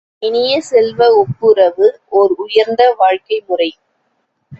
இனிய செல்வ, ஒப்புரவு ஓர் உயர்ந்த வாழ்க்கைமுறை.